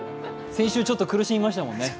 先週、ちょっと苦しみましたもんね